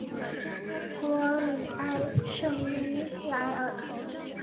弗尔里埃圣伊莱尔。